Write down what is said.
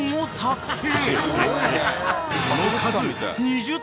［その数］